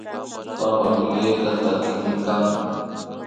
Kanpak yayaka takikmi kan